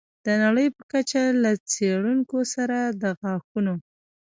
د نړۍ په کچه له څېړونکو سره د غاښونو